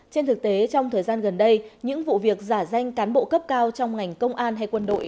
trên thực tế trong thời gian gần đây những vụ việc giả danh cán bộ cấp cao trong ngành công an hay quân đội